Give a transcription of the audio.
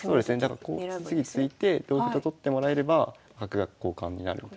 だからこう次突いて同歩と取ってもらえれば角が交換になるみたいな。